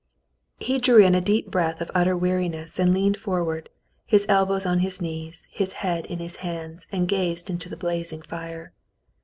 He drew in a deep breath of utter weariness, and leaned forward, his elbows on his knees, his head in his hands, and gazed into the blazing fire.